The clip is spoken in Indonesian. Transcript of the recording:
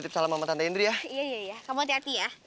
tbi women dan permainan